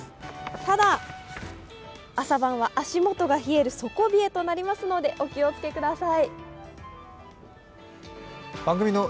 ただ朝晩は足元が冷える底冷えとなりますので、お気をつけください。